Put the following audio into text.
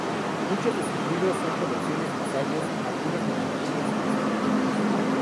Muchos de sus libros son colecciones de ensayos; algunos son monografías estructuradas.